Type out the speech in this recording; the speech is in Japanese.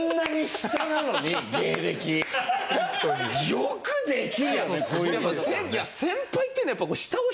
よくできるよね。